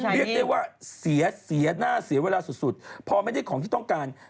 เรียกได้ว่าเสียเสียหน้าเสียเวลาสุดพอไม่ได้ของที่ต้องการ